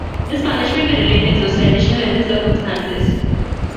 This punishment by relatives was traditional in this circumstance.